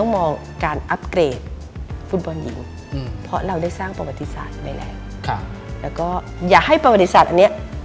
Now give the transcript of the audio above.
มันเลือนหายไปอย่างน่าเสด็จเราจุดพลุไว้แล้วจุดไว้ให้แล้ว